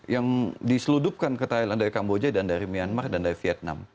yang diseludupkan ke thailand dari kamboja dan dari myanmar dan dari vietnam